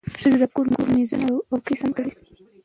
ښځه د کور مېزونه او څوکۍ سم کړل